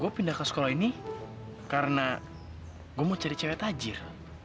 gue pindah ke sekolah ini karena gue mau cari cewek tajir